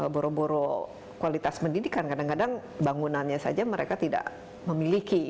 boro boro kualitas pendidikan kadang kadang bangunannya saja mereka tidak memiliki